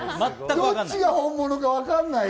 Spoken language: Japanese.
どっちが本物かわからないよ。